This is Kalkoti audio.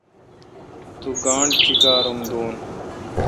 تو گانٹھ چیکّارام دون۔